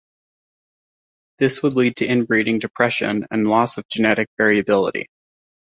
This would lead to inbreeding depression and loss of genetic variability.